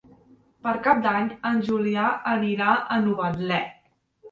Per Cap d'Any en Julià anirà a Novetlè.